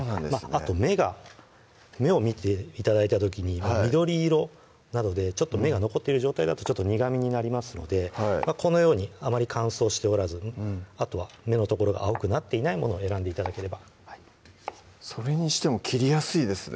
あと芽が芽を見て頂いた時に緑色などで芽が残っている状態だとちょっと苦みになりますのでこのようにあまり乾燥しておらずあとは芽の所が青くなっていないものを選んで頂ければそれにしても切りやすいですね